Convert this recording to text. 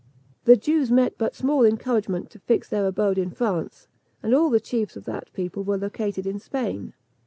The Jews met but small encouragement to fix their abode in France, and all the chiefs of that people were located in Spain.